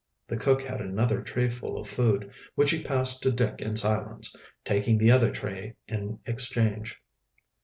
The cook had another trayful of food, which he passed to Dick in silence, taking the other tray in exchange.